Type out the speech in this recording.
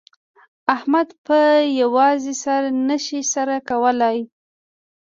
احمد په په یوازې سر نه شي سر کولای.